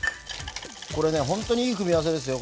これね本当にいい組み合わせですよ